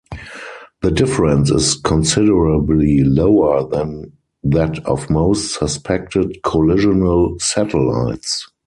The difference is considerably lower than that of most suspected collisional satellites.